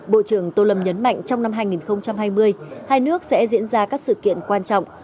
bộ trưởng tô lâm nhấn mạnh trong năm hai nghìn hai mươi hai nước sẽ diễn ra các sự kiện quan trọng